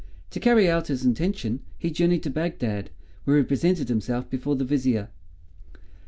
To carry out his intention he journeyed to Bagdad, where he presented himself before the Vizier.